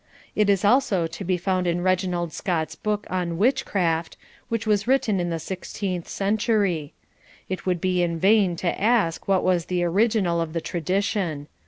It is also to be found in Reginald Scott's book on "Witchcraft," which was written in the sixteenth century. It would be in vain to ask what was the original of the tradition.